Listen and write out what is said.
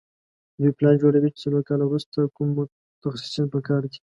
دوی پلان جوړوي چې څلور کاله وروسته کوم متخصصین په کار دي.